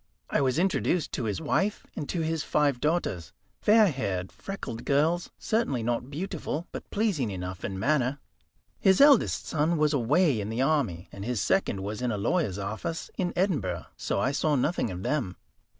I was introduced to his wife and to his five daughters, fair haired, freckled girls, certainly not beautiful, but pleasing enough in manner. His eldest son was away in the army, and his second was in a lawyer's office in Edinburgh; so I saw nothing of them.